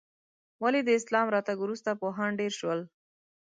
ولې د اسلام راتګ وروسته پوهان ډېر شول؟